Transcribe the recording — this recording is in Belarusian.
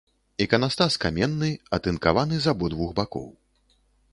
Іканастас каменны, атынкаваны з абодвух бакоў.